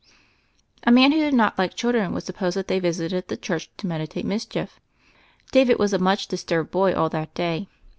A man who did not like children would suppose that they visited the church to meditate mischief. David was a much disturbed boy all that day.